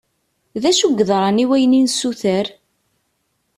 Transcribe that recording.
D acu yeḍran i wayen i nessuter?